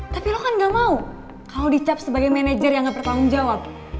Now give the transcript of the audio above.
tapi lo kan gak mau kalau dicap sebagai manajer yang gak bertanggung jawab